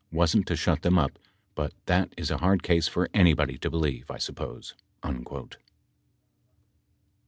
wasn't to shut them up, but that is a hard case for anybody to believe, I suppose." 11 5.